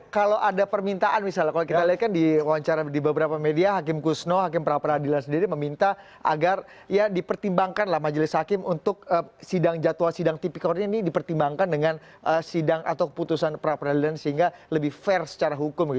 kalau ada permintaan misalnya kalau kita lihat kan di wawancara di beberapa media hakim kusno hakim prapradilan sendiri meminta agar ya dipertimbangkanlah majelis hakim untuk sidang jatuh sidang tipik orang ini dipertimbangkan dengan sidang atau keputusan prapradilan sehingga lebih fair secara hukum